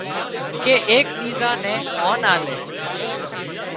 ڪي ايڪ ٻيزان نين مانَ آلي